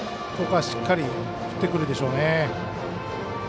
ここはしっかり振ってくるでしょうね。